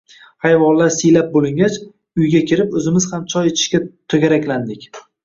Hayvonlar siylab bo‘lingach, uyga kirib, o‘zimiz ham choy ichishga to‘garaklandik